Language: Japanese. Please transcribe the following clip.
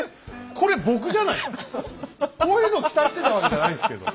こういうのを期待してたわけじゃないんですけど。